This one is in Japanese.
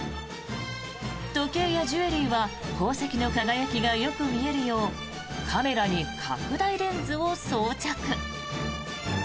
時計やジュエリーは宝石の輝きがよく見えるようカメラに拡大レンズを装着。